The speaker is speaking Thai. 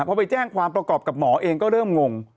พอไปแจ้งความประกอบกับหมอเองก็เริ่มงง